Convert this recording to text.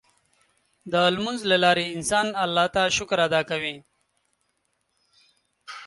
د لمونځ له لارې انسان الله ته شکر ادا کوي.